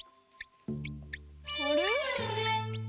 あれ？